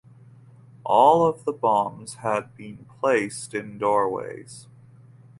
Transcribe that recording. All of the bombs had been placed in doorways.